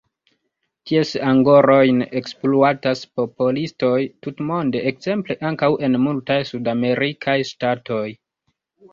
Ties angorojn ekspluatas popolistoj tutmonde, ekzemple ankaŭ en multaj sudamerikaj ŝtatoj.